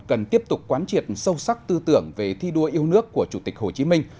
cần tiếp tục quán triệt sâu sắc tư tưởng về thi đua yêu nước của chủ tịch hồ chí minh